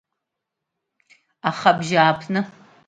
Аха абжьааԥны?